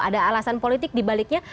ada alasan politik dibaliknya